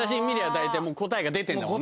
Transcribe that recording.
大体答えが出てんだもんね